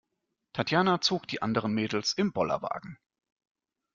Tatjana zog die anderen Mädels im Bollerwagen.